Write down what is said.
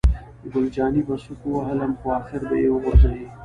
ګل جانې په سوک ووهلم، خو آخر به یې غورځوي.